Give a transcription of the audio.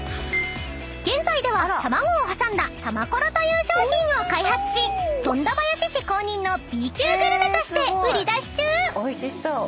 ［現在では卵を挟んだたまコロという商品を開発し富田林市公認のＢ級グルメとして売り出し中］